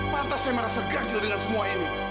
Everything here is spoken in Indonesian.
pantas saya marah segajar dengan semua ini